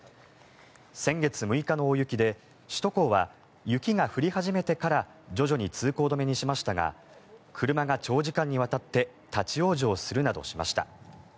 先月６日の大雪で首都高は雪が降り始めてから徐々に通行止めにしましたが車が長時間にわたって立ち往生するなどしました。